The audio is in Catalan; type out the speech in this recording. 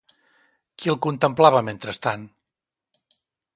Qui el contemplava, mentrestant?